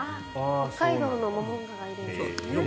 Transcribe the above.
北海道のモモンガがいるんですね。